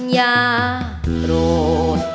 อย่าโทษ